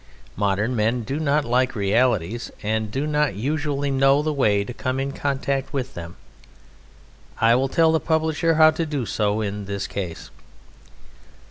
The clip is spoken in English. Modern men do not like realities, and do not usually know the way to come in contact with them. I will tell the publisher how to do so in this case.